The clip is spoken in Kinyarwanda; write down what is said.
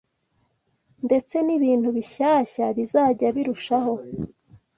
ndetse n’ibintu bishyashya bizajya birushaho